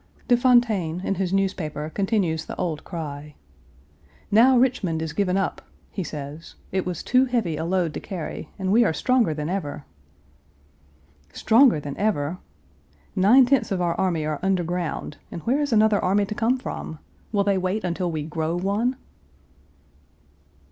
De Fontaine, in his newspaper, continues the old cry. "Now Richmond is given up," he says, "it was too heavy a load to carry, and we are stronger than ever." "Stronger than ever?" Nine tenths of our army are under ground and where is another army to come from? Will they wait until we grow one?